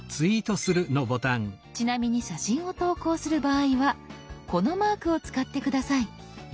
ちなみに写真を投稿する場合はこのマークを使って下さい。